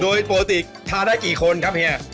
โดยปกติทานได้กี่คนครับเฮีย